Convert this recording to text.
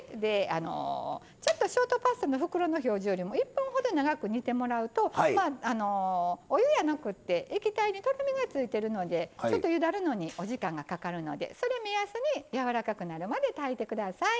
ちょっとショートパスタの袋の表示よりも１分ほど長く煮てもらうとお湯やなくって液体にとろみがついてるのでちょっとゆだるのにお時間がかかるのでそれ目安にやわらかくなるまで炊いてください。